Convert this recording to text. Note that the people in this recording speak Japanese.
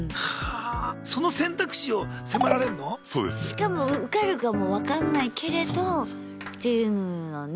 しかも受かるかも分かんないけれどっていうのはね悩むよね。